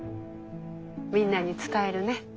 みんなに伝えるね。